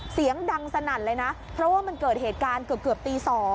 เสียงดังสนั่นเลยนะเพราะว่ามันเกิดเหตุการณ์เกือบตี๒